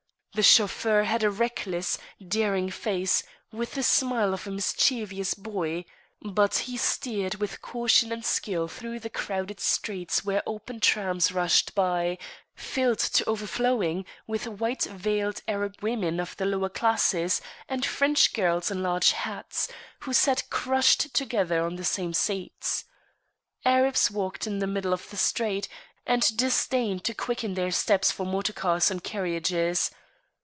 The chauffeur had a reckless, daring face, with the smile of a mischievous boy; but he steered with caution and skill through the crowded streets where open trams rushed by, filled to overflowing with white veiled Arab women of the lower classes, and French girls in large hats, who sat crushed together on the same seats. Arabs walked in the middle of the street, and disdained to quicken their steps for motor cars and carriages.